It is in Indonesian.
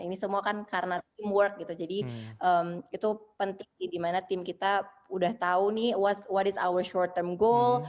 ini semua kan karena teamwork gitu jadi itu penting dimana tim kita udah tahu nih what is our short term goal